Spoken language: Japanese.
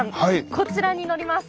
こちらに乗ります。